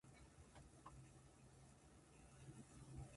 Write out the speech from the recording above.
昼食も食べずに昼過ぎまで苦労して働くこと。